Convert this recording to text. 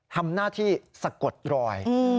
ทำหน้าที่สะกดรอย